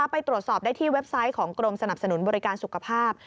ไปตรวจสอบได้ที่เว็บไซต์ของกรมสนับสนุนบริการสุขภาพ